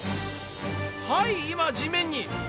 はい今地面に！